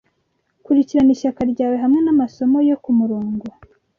Kurikirana ishyaka ryawe hamwe namasomo yo kumurongo